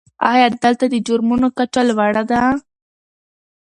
آیا دلته د جرمونو کچه لوړه ده؟